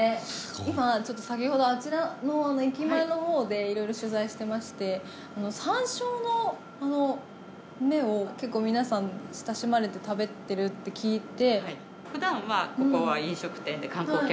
今先ほどあちらの駅前の方でいろいろ取材してまして山椒の芽を結構皆さん親しまれて食べてるって聞いて。